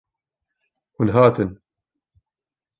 Hûn hatin.